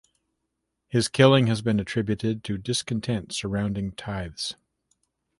His killing has been attributed to discontent surrounding tithes.